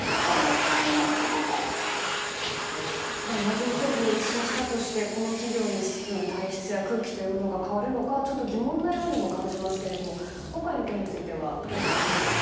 上層部を一新したとしてこの企業に巣くう体質や空気が変わるのかちょっと疑問なようにも感じますけれども今回の件についてはどうですか古市さん。